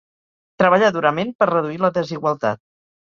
Treballar durament per reduir la desigualtat.